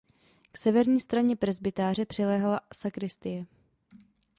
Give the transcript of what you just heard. K severní straně presbytáře přiléhala sakristie.